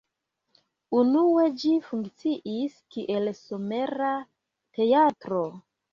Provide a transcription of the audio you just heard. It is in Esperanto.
Unue ĝi funkciis kiel somera teatro.